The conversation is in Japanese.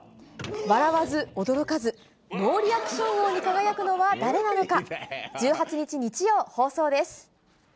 笑わず、驚かず、ノーリアクション王に輝くのは誰なのか。